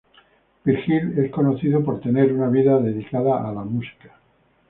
Virgil es conocido por tener una vida dedicada a la música.